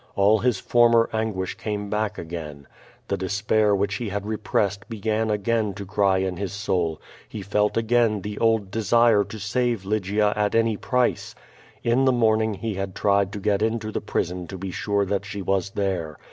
All his former anguish came back again. The despair which he had repressed began again to cry in his soul; he felt again the old desire to save Lygia at any price. In the morning he had tried to get into the prison to be sure that she was there.